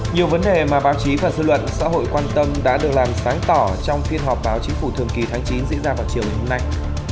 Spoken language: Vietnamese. nhiều vấn đề mà báo chí và dư luận xã hội quan tâm đã được làm sáng tỏ trong phiên họp báo chính phủ thường kỳ tháng chín diễn ra vào chiều ngày hôm nay